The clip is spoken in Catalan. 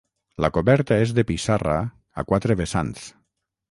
La coberta és de pissarra, a quatre vessants.